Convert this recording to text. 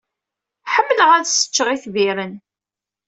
Ḥemmleɣ ad sseččeɣ itbiren.